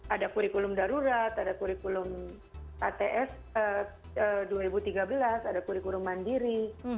ada kurikulum darurat ada kurikulum ats dua ribu tiga belas ada kurikulum mandiri